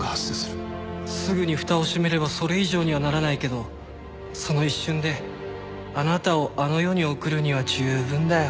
すぐに蓋を閉めればそれ以上にはならないけどその一瞬であなたをあの世に送るには十分だよ。